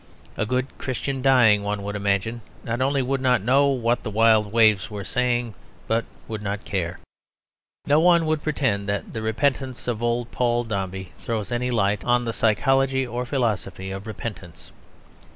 A good Christian dying, one would imagine, not only would not know what the wild waves were saying, but would not care. No one would pretend that the repentance of old Paul Dombey throws any light on the psychology or philosophy of repentance.